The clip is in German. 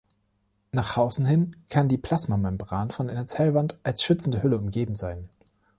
Nach außen hin kann die Plasmamembran von einer Zellwand als schützender Hülle umgeben sein.